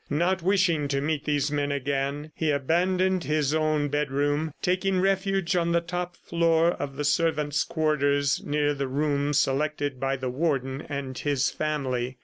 Not wishing to meet these men again, he abandoned his own bedroom, taking refuge on the top floor in the servants' quarters, near the room selected by the Warden and his family.